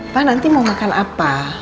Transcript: pak nanti mau makan apa